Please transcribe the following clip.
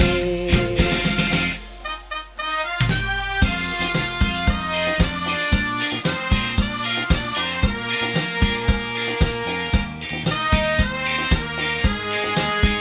แล้วตอบที่รักมาให้รู้สึกอะ